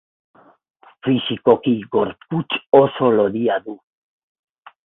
Fisikoki gorputz oso lodia du.